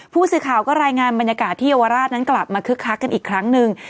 ผู้สื่อข่าวก็รายงานบรรยากาศที่เยาวราชนั้นกลับมาคึกคักกันอีกครั้งหนึ่ง